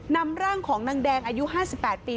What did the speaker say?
นำร่างของนางแดงอายุ๕๘ปี